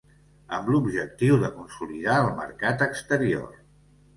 Amb l'objectiu de consolidar el mercat exterior.